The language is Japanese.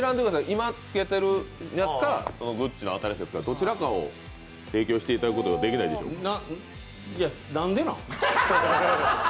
今着けてるやつか、グッチの新しいやつか、どちらかを提供していただくことはできないでしょうか。